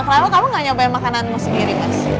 lama kamu gak nyobain makananmu sendiri mas